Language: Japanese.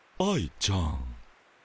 愛ちゃん。